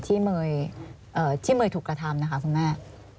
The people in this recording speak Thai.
ที่เมย์ถูกกระทำนะคะคุณแม่